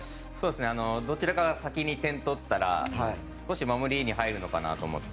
どちらか先に点を取ったら少し守りに入るのかなと思って。